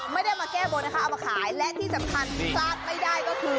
ไม่ได้มาแก้บนนะคะเอามาขายและที่สำคัญที่พลาดไม่ได้ก็คือ